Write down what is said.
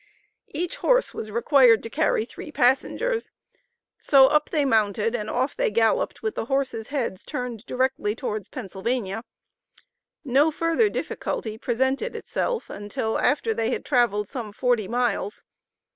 Each horse was required to carry three passengers. So up they mounted and off they galloped with the horses' heads turned directly towards Pennsylvania. No further difficulty presented itself until after they had traveled some forty miles.